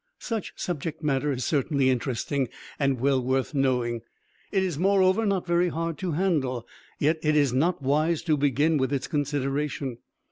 Such subject matter is certainly interesting and well worth knowing. It is moreover not very hard to handle, yet it is not wise to begin with its consideration.